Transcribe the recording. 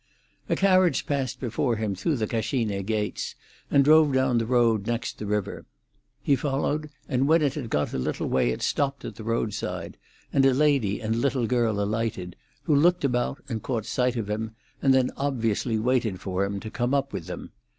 A carriage passed before him through the Cascine gates, and drove down the road next the river. He followed, and when it had got a little way it stopped at the roadside, and a lady and little girl alighted, who looked about and caught sight of him, and then obviously waited for him to come up with them.